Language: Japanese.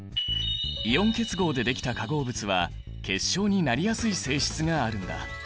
イオン結合でできた化合物は結晶になりやすい性質があるんだ。